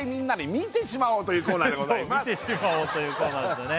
見てしまおうというコーナーですよね